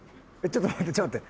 ちょっと待って。